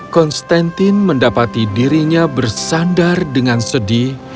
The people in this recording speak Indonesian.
konstantin mendapati dirinya bersandar dengan sedih